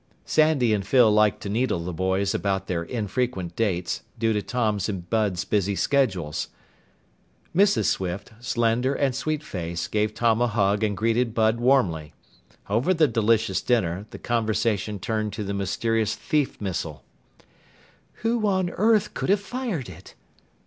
Sandy and Phyl liked to needle the boys about their infrequent dates, due to Tom's and Bud's busy schedules. Mrs. Swift, slender and sweet faced, gave Tom a hug and greeted Bud warmly. Over the delicious dinner, the conversation turned to the mysterious thief missile. "Who on earth could have fired it?"